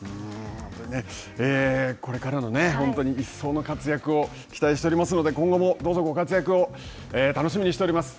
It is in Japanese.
これからの一層の活躍を期待しておりますので今後もどうぞご活躍を楽しみにしております。